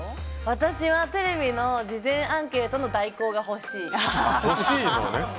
私はテレビの事前アンケートの代行が欲しい。